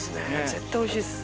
絶対おいしいです。